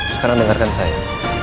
sekarang dengarkan saya